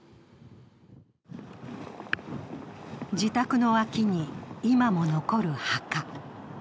自宅の脇に今も残る墓。